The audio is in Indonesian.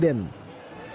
dan juga dengan presiden